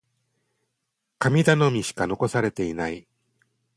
神頼みしか残されていない。